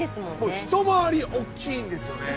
ひと回りおっきいんですよね。